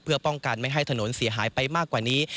เพื่อป้องกันไม่ให้ถนนเสียหายไปมากกว่านี้